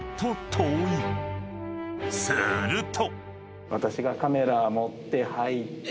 ［すると］